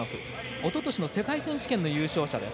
おととしの世界選手権の優勝者です。